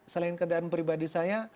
selain kendaraan pribadi saya